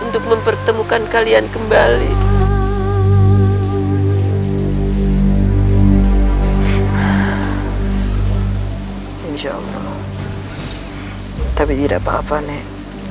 tapi tidak apa apa nek